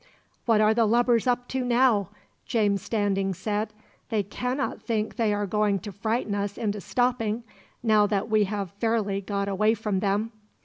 "What are the lubbers up to now?" James Standing said. "They cannot think they are going to frighten us into stopping, now that we have fairly got away from them."